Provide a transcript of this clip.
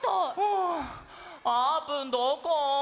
あーぷんどこ？